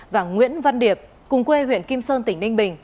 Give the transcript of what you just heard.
và nguyễn văn điệp cùng quê huyện kim sơn tỉnh ninh bình